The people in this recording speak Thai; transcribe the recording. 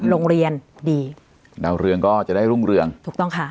โรงเรียนดีดาวเรืองก็จะได้รุ่งเรืองถูกต้องค่ะ